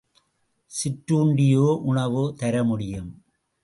சிற்றுண்டியோ உணவோ தர முடியும்.